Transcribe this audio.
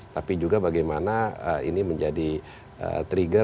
tapi juga bagaimana ini menjadi trigger